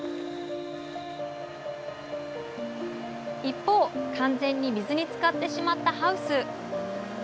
一方完全に水につかってしまったハウス。